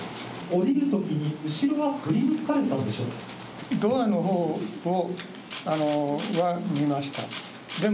降りるときに後ろは振り向かなかったんでしょうか。